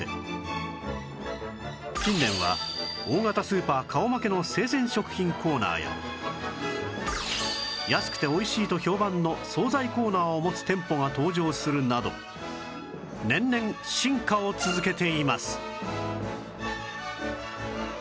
近年は大型スーパー顔負けの生鮮食品コーナーや安くて美味しいと評判の惣菜コーナーを持つ店舗が登場するなど年々進化を続けています